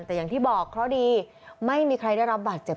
แต่อย่างที่บอกเคราะห์ดีไม่มีใครได้รับบาดเจ็บ